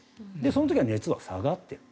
その時は熱は下がっている。